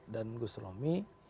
dan gus romi